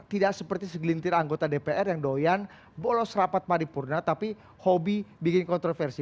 tidak seperti segelintir anggota dpr yang doyan bolos rapat paripurna tapi hobi bikin kontroversi